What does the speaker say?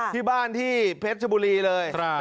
ที่บ้านที่เพชรชบุรีเลย